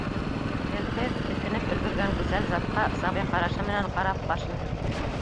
Телһеҙ, эҫенеп өлгөргән гүзәл затҡа сабый ҡарашы менән ҡарап, башын һелкте.